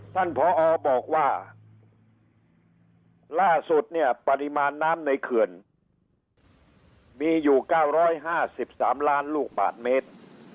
ท่านผอบอกว่าล่าสุดเนี่ยปริมาณน้ำในเขื่อนมีอยู่๙๕๓ล้านลูกบาทเมตร